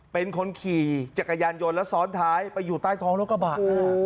เป็นคนขี่จักรยานยนต์แล้วซ้อนท้ายไปอยู่ใต้ท้องรถกระบะ